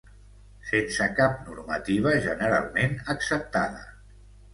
Sense cap normativa generalment acceptada.